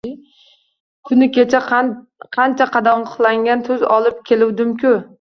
Kuni kecha qancha qadoqlangan tuz olib keluvdimku!